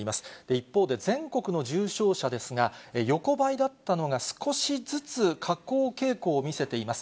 一方で全国の重症者ですが、横ばいだったのが少しずつ下降傾向を見せています。